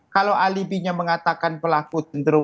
kalau alibinya mengatakan pelaku cenderung